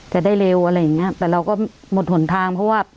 จะได้เร็วอะไรอย่างเงี้ยแต่เราก็หมดหนทางเพราะว่า